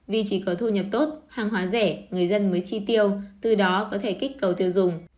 vì chỉ có thu nhập tốt hàng hóa rẻ người dân mới chi tiêu từ đó có thể kích cầu tiêu dùng